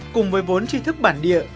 cùng với bốn tri thức bản địa